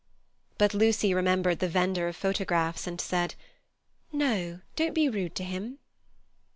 But Lucy remembered the vendor of photographs and said, "No, don't be rude to him."